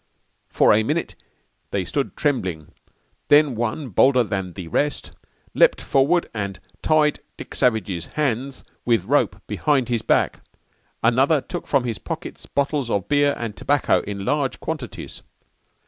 '_ _"For a minit they stood trembling, then one, bolder than the rest, lept forward and tide Dick Savage's hands with rope behind his back. Another took from his pockets bottles of beer and tobacco in large quantities.